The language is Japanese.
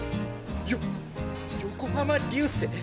よ横浜流星！？